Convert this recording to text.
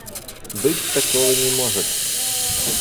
Быть такого не может!